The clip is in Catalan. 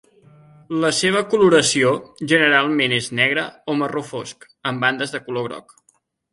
La seva coloració generalment és negra o marró fosc, amb bandes de color groc.